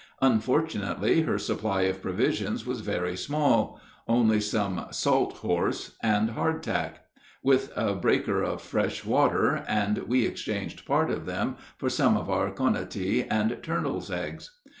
Unfortunately, her supply of provisions was very small only some "salt horse" and hardtack, with a breaker of fresh water, and we exchanged part of them for some of our konatee and turtles' eggs.